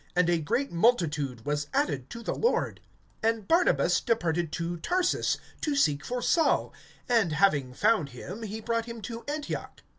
And a great multitude was added to the Lord. (25)And Barnabas departed to Tarsus, to seek for Saul; (26)and having found him, he brought him to Antioch.